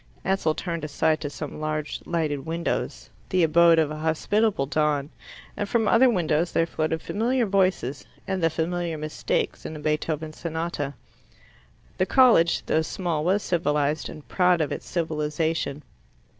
Ansell turned aside to some large lighted windows, the abode of a hospitable don, and from other windows there floated familiar voices and the familiar mistakes in a Beethoven sonata. The college, though small, was civilized, and proud of its civilization.